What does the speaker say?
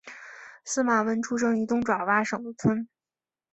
司马温出生于东爪哇省的村。